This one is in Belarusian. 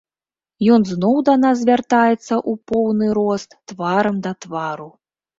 Ён зноў да нас звяртаецца ў поўны рост, тварам да твару.